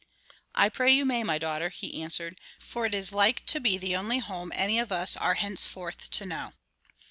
"I pray you may, my daughter," he answered, "for it is like to be the only home any of us are henceforth to know."